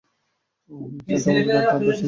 অহিংসা এবং সমবেদনা তাঁর দর্শনের বিশেষত্ব ছিল।